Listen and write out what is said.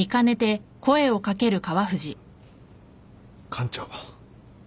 館長。